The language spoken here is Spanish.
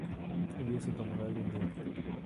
Y eso tomará algún tiempo.